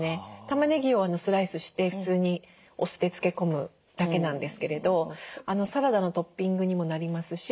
たまねぎをスライスして普通にお酢で漬け込むだけなんですけれどサラダのトッピングにもなりますし